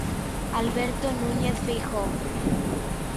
Alberto Núñez Feijóo.